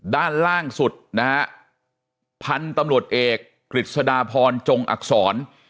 ด้านล่างสุดนะฮะพันธุ์ตำรวจเอกกฤษฎาพรจงอักษร